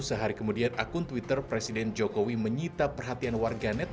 sehari kemudian akun twitter presiden jokowi menyita perhatian warganet